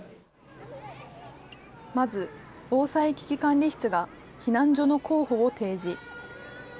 まず、防災危機管理室が避難所の候補を提示。